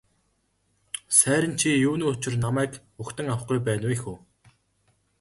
Сайран чи юуны учир намайг угтан авахгүй байна вэ хө.